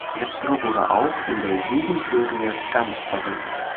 Letztere wurde auch in der Jugendserie Skam verwendet.